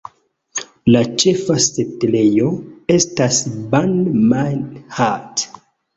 La ĉefa setlejo estas Ban Mae Hat.